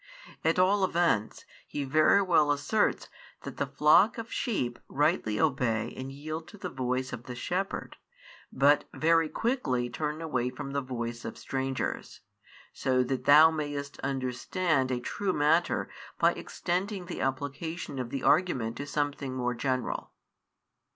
At all events, He very well asserts that the flock of sheep rightly obey and yield to the voice of the shepherd, but very quickly turn away from the voice of strangers; so that thou mayest understand a true matter by extending the application of the argument to something more general.